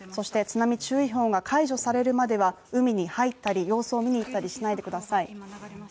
津波注意報が解除されるまでは海に入ったり様子を見に行ったりしないでください。